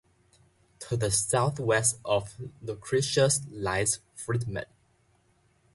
To the southwest of Lucretius lies Fridman.